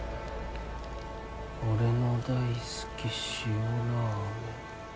俺の大好き塩ラーメン